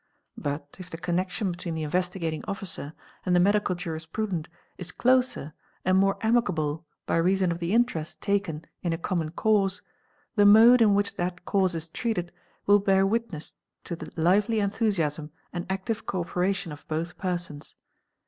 But if the mnection between the Investigating Officer and the medical jurisprudent Esloser and more amicable by reason of the interest taken in a common ise, the mode in which that cause is treated will bear witness to the ely enthusiasm and active co operation of both persons.